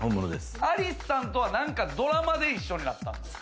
アリスさんとは、何かドラマで一緒になったんですか？